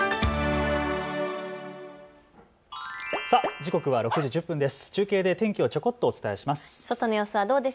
時刻は６時１０分です。